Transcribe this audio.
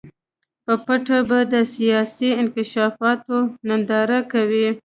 په پټه به د سیاسي انکشافاتو ننداره کوي.